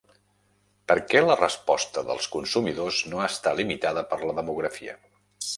Per què la resposta dels consumidors no està limitada per la demografia?